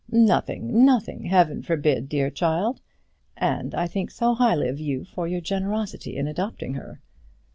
"Nothing, nothing; Heaven forbid, dear child! And I think so highly of you for your generosity in adopting her."